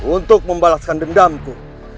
untuk membalaskan dendamku